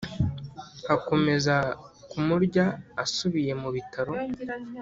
hakomeza kumurya Asubiye mu bitaro